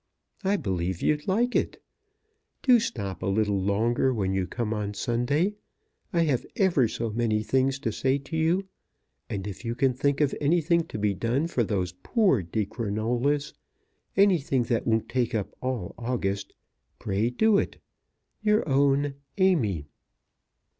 I believe you'd like it. Do stop a little longer when you come on Sunday. I have ever so many things to say to you. And if you can think of anything to be done for those poor Di Crinolas, anything that won't take up all August, pray do it. Your own, AMY.